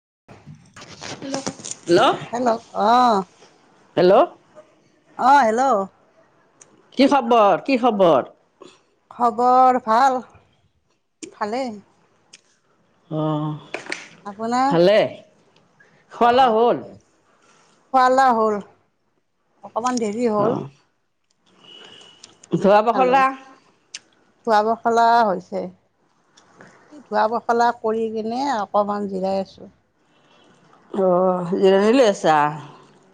[inaudible] ল হেল্ল' আহ হেল্ল' অ হেল্ল'। কি খবৰ কি খবৰ? খবৰ ভাল ভালেই অ। আপোনাৰ ভালে অ খোৱা লোৱা অ। হ'ল খুৱালা হল অকমান দেৰি অ হ'ল। ধোৱা পখলা। খোৱা পখলা হৈছে। এই ধোৱা পখলা কৰি কিনে অকমান জিৰাই আছো। অ জিৰণি লৈ আছা।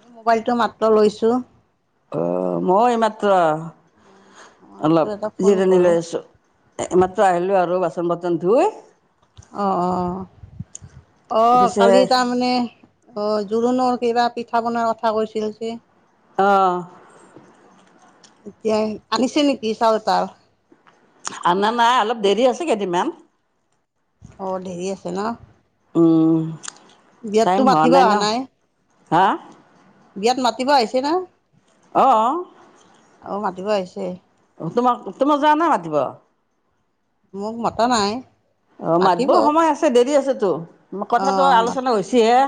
এই মোবাইলটো মাত্ৰ লৈছো। অ মই এইমাত্ৰ। তাৰপিছত অলপ এটা ফোন জিৰণি কৰোঁ লৈ আছো এইমাত্ৰ আহিলো আৰু বাচন বতন ধুই অ অ আহ পিছে কালি তাৰমানে অ জোৰোণৰ কিবা পিঠা বনাৰ কথা কৈছিল যে। অ এতিয়া আনিছে নেকি চাৱতাৰ? অনা নাই। অলপ দেৰি আছে কেইদিনমান। অ দেৰি আছে, ন? উম। টাইম বিয়াততো হোৱা মাতিব ন অহা নাই? হা বিয়াত মাতিব আহিছে না? অঁ অ। অ মাতিব আহিছে। তোমাক তোমাক যাৱা নাই মাতিব? মোক মতা নাই। অ মাতিব মাতব' অ সময় আছে দেৰি আছেতো। কথাটো আলোচনা হৈছি হে।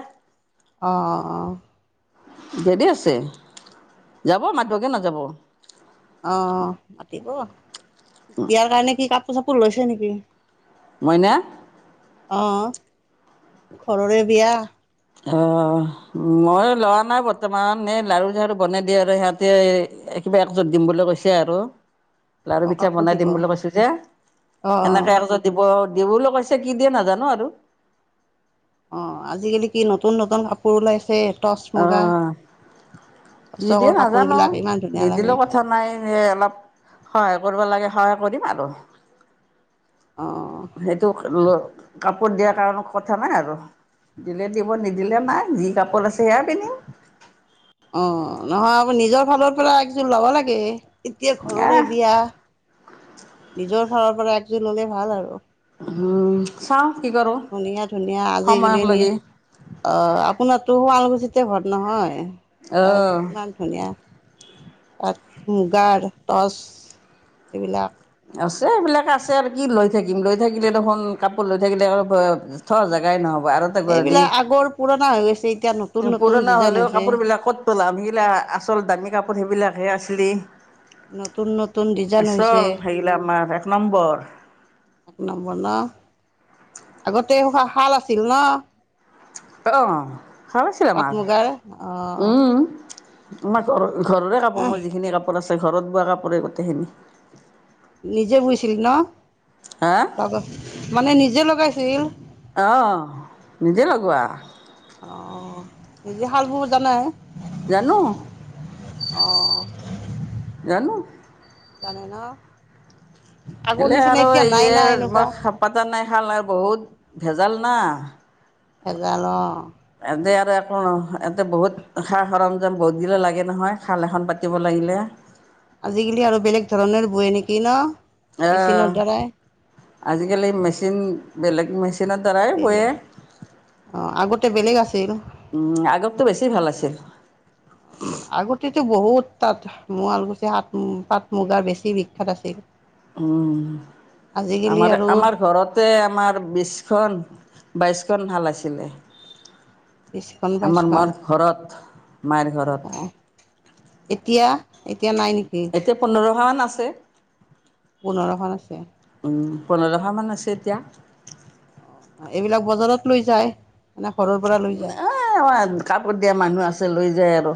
অঁ অঁ অঁ। দেৰি আছে। যাব মাতব' কিয় নাযাব। অ মাতিব। বিয়াৰ কাৰণে কি কাপোৰ চাপোৰ লৈছে নেকি? মইনা? অহ, ঘৰৰে বিয়া। অহ, মই লৱা নাই বৰ্তমান। এই লাৰু চাড়ু বনাই দিয়ে আৰু সিহঁতে কিবা একজোট দিম বুলি কৈছি আৰু। লাৰু অ পিঠা কাপোৰ বনাই দিব দিম বুলি কৈছো যে। অ অ সেনেকে আৰু দিব দিবো বুলি কৈছে, কি দিয়ে নাজানো আৰু। অ আজিকালি কি নতুন নতুন কাপোৰ ওলাইছে টচ অ মুগা। কি টচকৰ দিয়ে নাজানো কাপোৰবিলাক আৱু। ইমান ধুনীয়া লাগে নিদিলেও কথা নাই সেই অলপ সহায় কৰিব লাগে সহায় কৰিম আৰু। অ সেইটোক ল কাপোৰ দিয়াৰ কাৰণে কথা নাই আৰু। দিলে দিব নিদিলে নাই। যি কাপোৰ আছে সেয়া পিন্ধিম। অ নহয়। আ নিজৰ ফালৰ পৰা একযোৰ ল'ব লাগে। এতিয়া ঘৰৰে আহ বিয়া। নিজৰ ফাৰৰ পৰা একজোৰ ললে ভাল আৰু। উম চাও। ধুনীয়া ধুনীয়া আজিকালি নি। লাগি অ আপোনাৰ তটো শুৱালগুছিতে ঘৰ নহয়, তাত অঁ কিমান ধুনীয়া তাত মুগাৰ টচ এইবিলাক আছে সেবিলাক আছে আৰু কি লৈ থাকিম। লৈ থাকিলে দেখোন কাপোৰ লৈ থাকিলে থ'ৱা জেগাই নহ'ব। আৰু এটা গধূলি সেইবিলাক আগৰ পুৰণা হৈ গৈছে। এতিয়া নতুন নতুন পুৰণা ডিজাইন হলেও হৈছে। কাপোৰ বিলাক ক'ত পলাম, সেগিলা আচল দামী কাপোৰ সেইবিলাকহে আছে। ৰি, নতুন নতুন ডিজাইন হৈছে আচল হেইগিলা আমাৰ এক নম্বৰ। এক নম্বৰ ন? আগতে হা ভাল আছিল ন? অ ভাল আছিল পাট আমাৰ। মুগাৰ অ' উম আমাৰ ঘৰৰ ঘৰৰে কাপোৰ মোৰ যিখিনি কাপোৰ আছে ঘৰত বোৱা কাপোৰে গোটেইখিনি। নিজে বুইছিল ন? হা লগত মানে নিজে লগাইছিল? অহ নিজে লগোৱা। অ নিজে শাল বোবো জানেই? জানো। অহঁ। জানো। জানে ন? আগৰ বেলেগ নিচিনা আৰু এতিয়া নাই না ইয়ে এনেকুৱা মই পাতা নাই খাল নাই বহুত ভেজাল না। ভেজাল অ। ইয়াতে আৰু আকৌ নহ এতে বহুত সা সৰঞ্জাম বহুত গিলা লাগে নহয় খাল এখন পাতিব লাগিলে। আজিকালি আৰু বেলেগ ধৰণৰ বয় নেকি ন অহ মেচিনৰ দ্বাৰাই। আজিকালি মেচিন বেলেগ মেচিনৰ দ্বাৰাই বয়ে বেলেগ অ আগতে বেলেগ আছিল উম আগততো বেছি ভাল আছিল। আগতেতো বহুত তাত শুৱালকুছিত পাট মুগাৰ বেছি বিখ্যাত আছিল। উম আজিকালি আমাৰ আৰু আমাৰ ঘৰতে আমাৰ বিশখন। বাইছখন শাল আছিলে। বিশখন আমাৰ বাইশখন মাৰ ঘৰত মায়ৰ অ অ ঘৰত। এতিয়া এতিয়া নাই নেকি এতিয়া পোন্ধৰখন মান আছে পোন্ধৰখন আছে উম। পোন্ধৰ খন মান আছে এতিয়া। অ এইবিলাক বজাৰত লৈ যায় মানে ঘৰৰ পৰা লৈ যায়। কাপোৰ দিয়া মানুহ আছে লৈ যায় আৰু।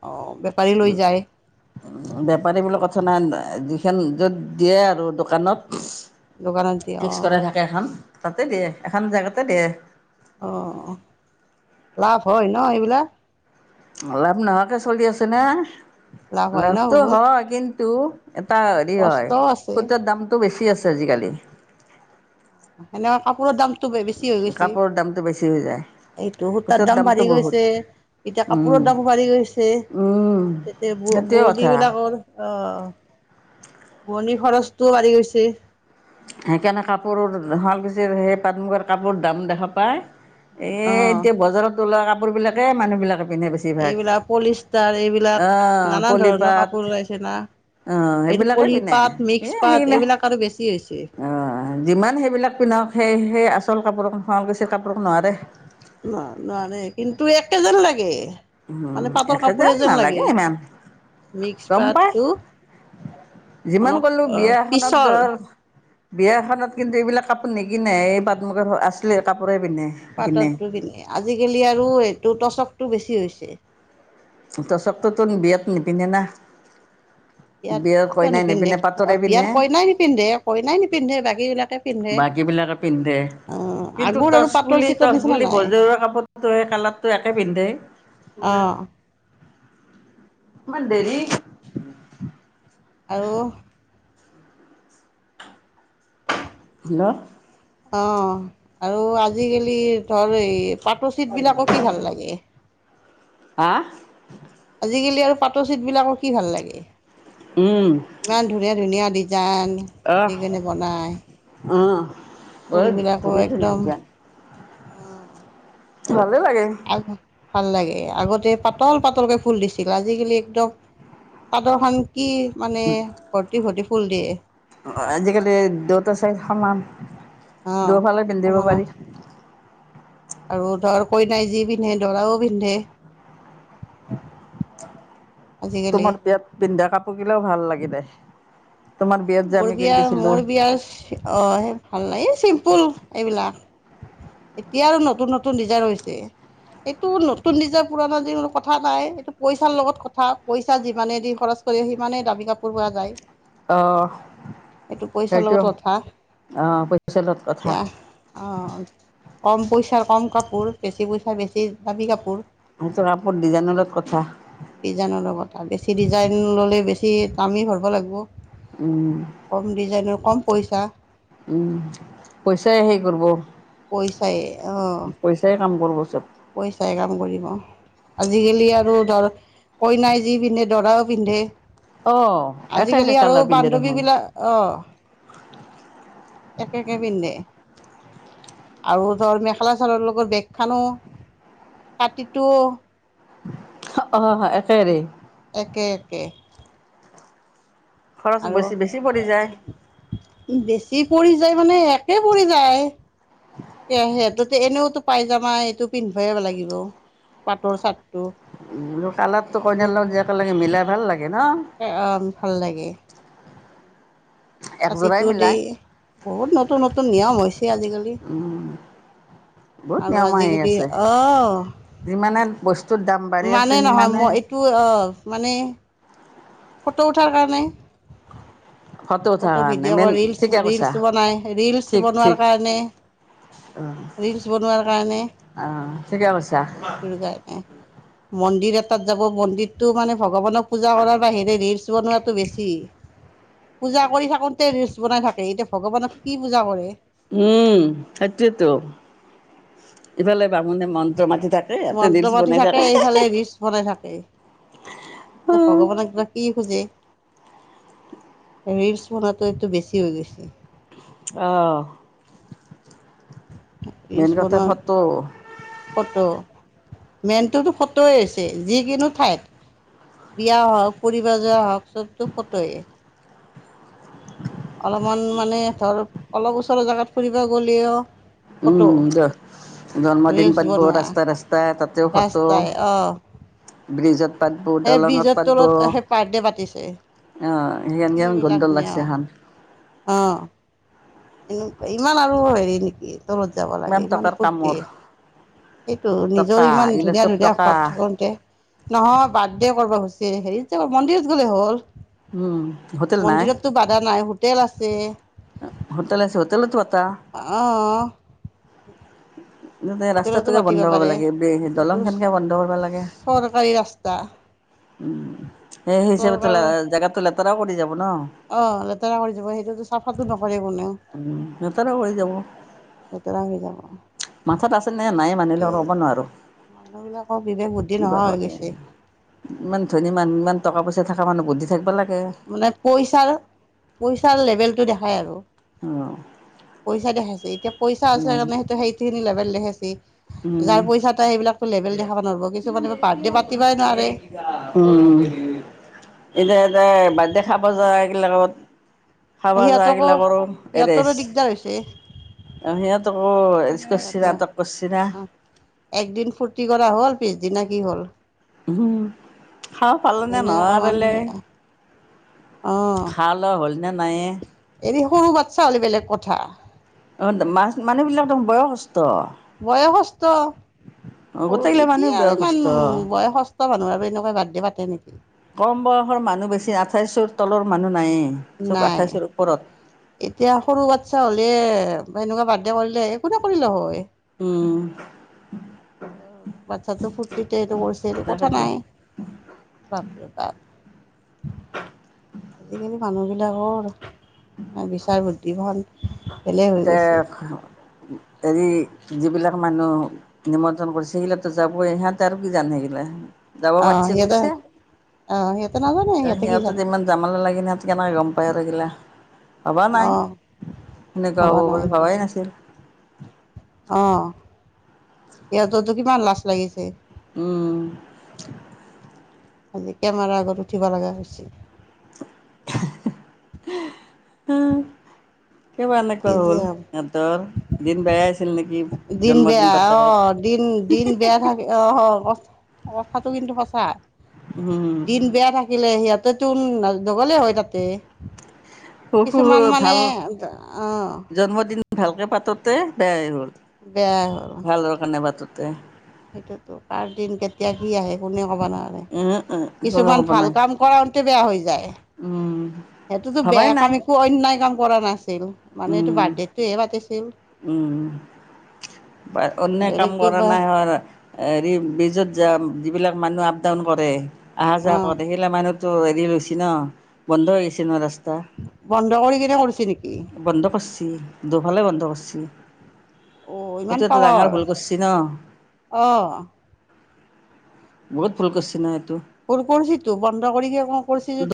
অ। বেপাৰী লৈ যায় বেপাৰী বোলি কথা নাই যিখন য'ত দিয়ে আৰু দোকানত দোকানত দি অ ফিক্স কৰাই থাকে এখন তাতে দিয়ে এখন জেগাতে দিয়ে। অ লাভ হয় ন এইবিলাক লাভ নোহোৱাকে চলি আছে নে লাভ হয় ন লাভটো বহুত হয় কিন্তু এটা হেৰি হয় কষ্টও আছে কুটাৰ দামতো বেছি আছে আজিকালি সেনেকা কাপোৰৰ দাম কাপোৰৰ দামটো বেছি হৈ যায়। এইটো সূতাৰ দাম দামটো বাঢ়ি বহুত গৈছে এতিয়া উম কাপোৰৰ দামো বাঢ়ি গৈছে উম তেতিয়া সেইটোৱে বুৱনী কথা বিলাকৰ অহ বুৱনীৰ খৰচটোও বাঢ়ি গৈছে। সেইকাৰণে কাপোৰ শুৱলাকুছিৰ সেই পাট মুগাৰ কাপোৰ দাম দেখা পায় অ এ এতিয়া বজাৰত ওলোৱা কাপোৰ বিলাকে মানুহ বিলাকে পিন্ধে বেছিভাগ এইবিলাক পলিষ্টাৰ এইবিলাক অহ নানা ধৰণৰ কাপোৰ পলিপাত ওলাইছে না অহ এইটো সেইবিলাকে পলি পিন্ধে পাট মিক্স এ পাট হেই নে এইবিলাক আৰু বেছি হৈছে অ যিমান সেইবিলাক পিন্ধক সেই সেই আচল কাপোৰক শুৱালকুছি কাপোৰক নোৱাৰে ন নোৱাৰে কিন্তু একে যেন লাগে উম মানে পাটৰ একে কাপোৰে জেন যেন নালাগে লাগে ইমান মিক্স গম পাই পাটটো যিমান অলপ কলো বিয়া এখনত পিছল ধৰ বিয়া এখনত কিন্তু এইবিলাক কাপোৰ নিকিনে এই পাটৰ কাপোৰ আছিলে কাপোৰ পাটটো নিপিনে আজিকালি আৰু এইটো টচকটো বেছি হৈছে টচকটো তোৰ বিয়াত নিপিন্ধে না বিয়াত বিয়াৰ কিয় কইনাই নিপিন্ধে অ পাটৰে বিয়াত পিন্ধে কইনাই নিপিন্ধে কইনাই নিপিন্ধে বাকী বিলাকে বাকী বিলাকে পিন্ধে কিন্তু আগৰ আৰু টৰ্চ পাটৰ বুলি চিটৰ টৰ্চ নিচিনা বুলি নাই ভজৰুৱা কাপোৰতো সেই কালাৰটো একে পিন্ধে অহ [inaudible] ইমান লেজী আৰু হেল্ল' অ আৰু আজিকালি ধৰ এই পাটৰ চিট বিলাকো কি ভাল লাগে হা আজিকালি আৰু পাটৰ চিট বিলাকো কি ভাল লাগে উম ইমান ধুনীয়া ধুনীয়া ডিজাইন অহ দি কেণে বনায় অ বৰ ধুনীয়া ধুনীয়া একদম দিয়া অ ভালেই লাগে ভাল লাগে আগতে পাতল পাতলকে ফুল দিছিল আজিকালি একদম পাতৰ খন কি মানে ভৰ্তি ভৰ্তি ফুল দিয়ে। আজিকালি দত চাই সমান দূৰত ফালে পিন্ধিব সমানে পাৰি। কই নাই যি পিন্ধে দৰাও পিন্ধে আজিকালি তোমাৰ বিয়াত পিন্ধা কাপোৰ কিলেও ভাল লাগিল দে। এ মোৰ বিয়াৰ মোৰ বিয়াৰ অ স ভাল নাই চিম্পুল এইবিলাক। এতিয়া আৰু নতুন নতুন ডিজাইন হৈছে। এইটো নতুন নিজৰ পুৰণা যি কথা নাই এইটো পইচাৰ লগত কথা পইচা যিমানে দি খৰচ। কৰি সিমানে দামী কাপোৰ পোৱা যায়। অ। এইটো পইচাৰ সেইটো লগত কথা আহ পইচা লগত কথা। এতিয়া অ কম পইচাৰ কম কাপোৰ বেছি পইচাৰ বেছি দামি কাপোৰ। সেইটো কাপোৰ ডিজাইনৰ লগত কথা। ডিজাইনৰ লগত বেছি ডিজাইন ললে বেছি। ঠি কামি ভৰিব লাগিব উম, কম ডিজাইনৰ কম। পইচা উম পইচাই হে কৰিব। পইচাই অ। কাম কৰব চব। পইচাই কাম কৰিব আজিকালি আৰু ধৰ। কইনাই যি পিন্ধে দৰাও পিন্ধে। অ' একে একে আজিকালি আৰু কালাৰ পিন্ধে বান্ধৱী দেখোন। বিলাক অ। একে একে পিন্ধে। আৰু ধৰ মেখেলা চাদৰ লগত বেগ খানো ছাতিটো। অ এ খেৰে। একে একে। খৰচ আৰু। বেছি বেছি পৰি যায়। বেছি পৰি যায় মানে একে পৰি যায় সেইটোতে এনেওতো। পাই যামাই এইটো পিন্ধিবই লাগিব পাটৰ চাট। কালাৰ টো কইনাৰ লগত যে এক লাগে মিলাই ভাল লাগে। ন? অ ভাল লাগে। একযোৰাই ছাতিটো দি মিলাই। বহুত নতুন নতুন নিয়ম হৈছে আজিকালি। বহুত আৰু নিয়ম আহি আজিকালি আছে অ। যিমানে বস্তুৰ দাম বাঢ়ি আছে মানে নহয় সিমানে মই এইটো আহ মানে। ফটো উঠাৰ কাৰণে। উঠাৰ ফটো কাৰণে ভিডিঅ' মেইন ৰিলছ ঠিকে কৈছা ৰিলছ বনাই ৰিলছ ঠিক বনোৱাৰ ঠিক কাৰণে। ৰিলছ বনোৱাৰ কাৰণে অঁ ঠিকে কৈছা সেইটোৰ কাৰণে। মন্দিৰ এটাত যাব মন্দিৰতটো মানে ভগৱানক পূজা কৰাৰ বাহিৰে ৰিলচ বনোৱাটো বেছি। পূজা কৰি থাকোতে ৰিলছ বনাই থাকে এতিয়া ভগৱানক কি পূজা কৰে। উম সেইটয়েতো ইফালে বামুণে মন্ত্ৰ মাতি। থাকে হেতে মন্ত্ৰ ৰিলছ পাতি বনাই থাকে। এইফালে এ ভগৱানক কিবা কি খুজে। ৰিলছ বনোৱাটো এইটো বেছি হৈ গৈছে অ। মেইন ৰিলচ কথা বনোৱা ফটো। ফটো মেইনটোতো ফটোয় হৈছে যিকোনো ঠাইত। বিয়া হওক ফুৰিব যোৱা হওক চবতটো ফটয়ে। অলপমান মানে ধৰ অলপ ওচৰৰ জেগাত ফুৰিব গ'লেও। ফটো উম দে জা। দিন ৰিলচ পাতব বনোৱা ৰাস্তা ৰাস্তা তাতেও ফটো ৰাস্তাই অ ব্ৰিজত। পাতব সেই দলঙত ব্ৰিজৰ পাতব তলত সেই বাৰ্থডে পাতিছে অ। সেইয়েই কিবিলাক গোডল লাগিছে নিয়ম হান। এনেকুৱা ইমান আৰু হেৰি নেকি তলত যাব লাগে ইমান টকাৰ কামৰ ফূুৰ্তি এইটো নিজৰ টকা ইমান এইগিলা ধুনীয়া চব ধুনীয়া টকা ঘৰত থাকোতে নহয় বাৰ্থডে কৰিব খুজিছে হেৰি মন্দিৰত গ'লে হ'ল উম, হোটেল নাই, মন্দিৰতটো বাধা নাই হোটেল আছে হোটেল আছে হোটেল ত অ হোটেলতো ৰাস্তাতোকে পাতিব বন্ধ কৰিব পাৰে লাগে এইটো দলং খনকে বন্ধ কৰিব লাগে চৰকাৰী ৰাস্তা উম সেই চৰকাৰৰ হিচাপেও জেগাতো লেতেৰাও কৰি যাব ন। অ লেতেৰা কৰি যাব সেইটোতো চাফাটো নকৰে কোনেও উম লেতেৰা কৰি যাব লেতেৰা হৈ যাব মাথাত আছে নে নাই মানুহিলে ক'ব নোৱাৰোঁ মানুহবিলাকৰ বিবেক বুদ্ধি কিবা নোহোৱা হৈ কৰে গৈছে ইমান ধনী মানু্হ ইমান টকা পইচা থকা মানুহ বুদ্ধি থাকিব লাগে মানে পইচাৰ পইচাৰ লেভেল টো দেখায় আৰু অঁ। পইচা দেখাইছে, এতিয়া পইচা আছে কাৰণে সেইত সেইখিনি লেভেল দেখাইছে, উম, যাৰ পইচা এটা সেইবিলাক পাতিবই নোৱাৰে উম। এতিয়া এতে বাৰ্থডে খাব যায় এইগিলাকত। খাবা যা সিহঁতকো এইগিলাকৰো সিহঁতৰো এৰেষ্ট দিগদাৰ হৈছে সিহঁতক অ এচ সিহঁত কৰিছৰা তপচিৰা। ফুৰ্তি কৰা হ'ল পিছদিনা কি হ'ল? উহুম খাওঁ পালনে সেইকাৰণে নহয় অকমান তেলে? খাল হল নাইয়ে এনেই সৰু বাচ্ছা হলে বেলেগ কথা। অ মাছ মানুহবিলাকতো বয়সস্থ। বয়সস্থ। সৰু গোটেইগিলা মানুহ এতিয়া আৰু ইমান বয়সস্থ বয়সস্থ মানুহ আৰু এনেকুৱা বাৰ্থডে পাতে নেকি? কম বয়সৰ মানুহ বেছি আঠাইছৰ তলৰ মানুহ নায়েই চব নাই আঠাইছৰ ওপৰত। এতিয়া সৰু বাচ্ছা হলে বা এনেকুৱা বাৰ্থডে কৰিলে একো নকৰিলেহয়। উম। অ বাচ্ছাটো ফূৰ্তিতে এইটো কৰিছে এইটো কথা তাকেতো নাই। বাপৰে বাপ! আজিকালি মানুহখিনি ডাঙৰ। বিচাৰ বুদ্ধি ভন বেলেগ হৈ এতিয়া গৈছে। হেৰি যিবিলাক মানুহ নিমন্ত্ৰণ কৰিছে সেইগিলাকো যাবই সিহঁত আৰু কি জানে সেইগিলা যাব অঁ পাতছে সিহঁতে গৈছে। অঁ সিহঁতে নাজানে কি সিহঁতে জানে যিমান জামালে লাগেনাথেকে আমাৰ ৰঙ পায়হেইগিলা। ভবা নাই, অঁ সেনেকুৱা হ'ব বুলি ভবাই নাছিল। অ সিহঁততো কিমান লাজ লাগিছে? উম। আজি কেমেৰাৰ আগত উঠিব লগা হৈছে। [unintelligible] কিবা কি এনেকুৱা যে হ'ল হ'ব সিহঁতৰ দিন বেয়া আছিল নেকি জন্মদিন পাতাত? উম দিন বেয়া থাকে অ হ ক অৱস্থাটো কিন্তু সঁচা, উম দিন বেয়া থাকিলে সিয়াত তাতো নগলে হয় তাতে সু সু কিছুমান মানে ভাল অঁ জন্মদিন ভালকে পাতোতে বেয়াই হ'ল। বেয়াই হ'ল ভাল দৰকাৰ নাই বাততে? সেইটোতো কাৰ দিন কেতিয়া কি আহে কোনেও হ'ব নোৱাৰে উম উম কোনো কিছুমান ক'ব ভাল নাই কাম কৰাওঁতে বেয়া হৈ যায়। উম সেইটোতো ভবাই বেয়া নাই কাম একো অন্যায় কাম কৰা নাছিল, মানে এইটো উম বাৰ্থডেটোহে পাতিছিল। উম। বা অন্য কাম বেলেগতো কৰা বা নাই হয় হেৰি বিজত যাম যিবিলাক মানুহ আপ ডাউন কৰে অহা অ যাহ কৰে সেইবিলাক মানুহ ত এৰি গৈছে ন বন্দ গেছে ন ৰাস ত বন্ধ কৰি কিনে কৰিছে নেকি বন্ধ কৰছি, দুফালে বন্ধ কৰছ চি অ ইমান সেইটো এটা ডাঙৰ পাৱাৰ ভুল কৰিছ ন? অ বহুত ভুলকচে ন সে পৰপৰিছেতো বন্ধ কৰিকে ক কৰিছ যে